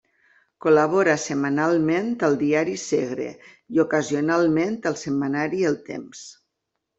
Col·labora setmanalment al diari Segre i ocasionalment al setmanari El Temps.